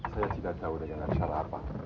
saya tidak tahu dengan syarat apa